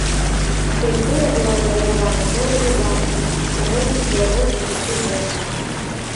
Скульптура была падаравана гораду банкам у гонар свайго дваццацігоддзя.